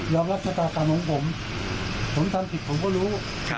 รับชะตากรรมของผมผมทำผิดผมก็รู้